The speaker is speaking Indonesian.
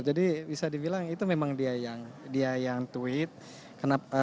jadi bisa dibilang itu memang dia yang tweet